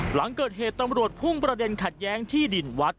หลังเกิดเหตุตำรวจพุ่งประเด็นขัดแย้งที่ดินวัด